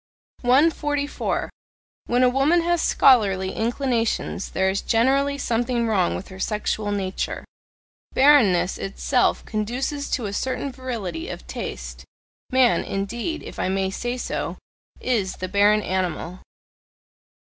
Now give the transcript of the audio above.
144. When a woman has scholarly inclinations there is generally something wrong with her sexual nature. Barrenness itself conduces to a certain virility of taste; man, indeed, if I may say so, is "the barren animal."